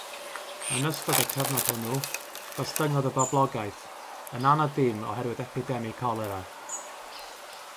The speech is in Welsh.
Yn ystod y cyfnod hwnnw, gostyngodd y boblogaeth yn anad dim oherwydd epidemig colera.